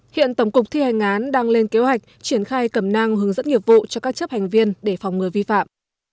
hiện tổng cục thi hành án đang lên kế hoạch triển khai cầm năng hướng dẫn nhiệm vụ cho các chấp hành viên để phòng người vi phạm